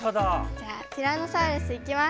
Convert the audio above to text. じゃあティラノサウルスいきます。